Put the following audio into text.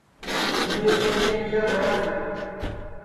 ہوں ایک ٻیریا انڈیا گیا تیا